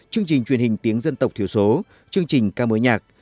chương trình truyền hình tiếng dân tộc thiểu số chương trình ca mối nhạc